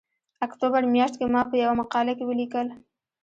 اکتوبر میاشت کې ما په یوه مقاله کې ولیکل